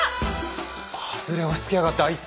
ハズレ押し付けやがってあいつ。